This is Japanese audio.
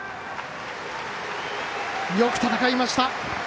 よく戦いました。